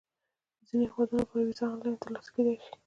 د ځینو هیوادونو لپاره ویزه آنلاین ترلاسه کېدای شي.